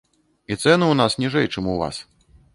І цэны ў нас ніжэй, чым у вас.